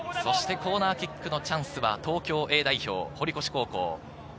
コーナーキックのチャンスは東京Ａ代表・堀越高校。